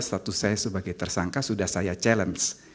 status saya sebagai tersangka sudah saya challenge